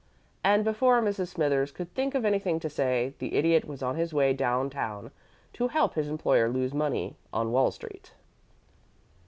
And before Mrs. Smithers could think of anything to say, the Idiot was on his way down town to help his employer lose money on Wall Street.